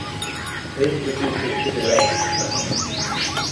This reduces the delay to traffic.